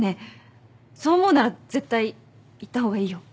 そう思うなら絶対行った方がいいよ。